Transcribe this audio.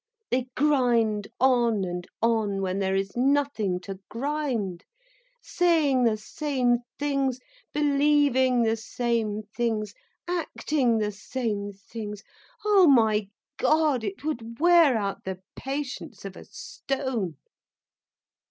They grind on and on, when there is nothing to grind—saying the same things, believing the same things, acting the same things. Oh, my God, it would wear out the patience of a stone.